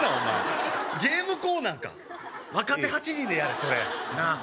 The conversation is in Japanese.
前ゲームコーナーか若手８時でやれそれな